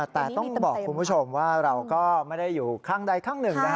แต่ต้องบอกคุณผู้ชมว่าเราก็ไม่ได้อยู่ข้างใดข้างหนึ่ง